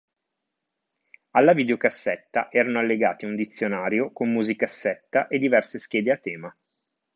Alla videocassetta erano allegati un dizionario con musicassetta e diverse schede a tema.